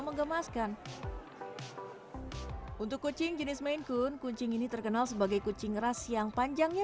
mengemaskan untuk kucing jenis maine coon kuncing ini terkenal sebagai kucing ras yang panjangnya